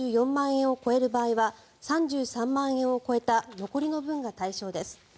円を超える場合は３３万円を超えた残りの分が対象です。